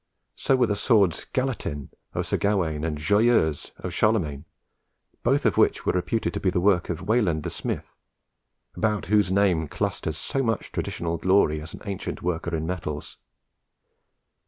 So were the swords "Galatin" of Sir Gawain, and "Joyeuse" of Charlemagne, both of which were reputed to be the work of Weland the Smith, about whose name clusters so much traditional glory as an ancient worker in metals.